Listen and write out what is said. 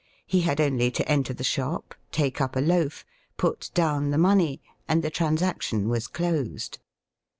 He had only to enter the shop, take up a loaf, put down the money, and the transaction was closed.